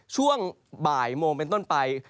ช่วงบ่ายโมงเป็นต้นไป